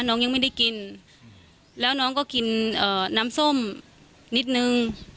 ยังไม่ได้กินแล้วน้องก็กินน้ำส้มนิดนึง